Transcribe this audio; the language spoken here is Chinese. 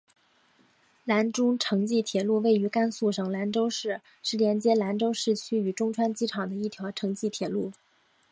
兰中城际铁路位于甘肃省兰州市是连接兰州市区与中川机场的一条城际铁路。